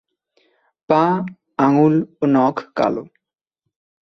পা, আঙুল ও নখ কালো।